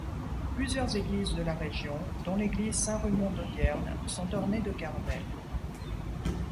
Plusieurs églises de la région, dont l'église Saint-Rumon d'Audierne, sont ornées de carvelles.